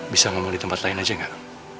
bisa ngomong di tempat lain aja nggak